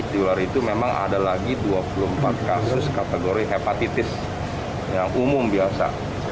di luar itu memang ada lagi dua puluh empat kasus kategori hepatitis yang umum biasa